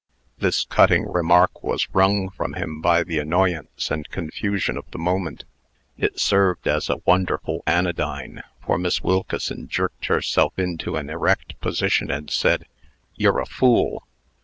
This cutting remark was wrung from him by the annoyance and confusion of the moment. It served as a wonderful anodyne; for Miss Wilkeson Jerked herself into an erect position, and said, "You're a fool!"